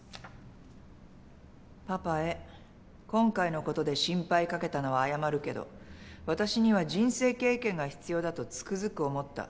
「パパへ今回のことで心配かけたのは謝るけど私には人生経験が必要だとつくづく思った。